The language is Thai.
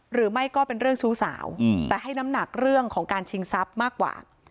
หรือไม่ก็เป็นเรื่องชู้สาวแต่ให้น้ำหนักเรื่องของการชิงทรัพย์มากกว่า